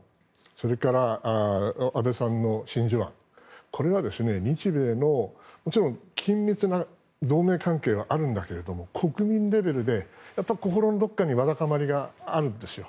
それから、安倍さんの真珠湾これは日米の、もちろん緊密な同盟関係はあるんだけど国民レベルで心のどこかにわだかまりがあるんですよ。